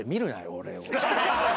俺を。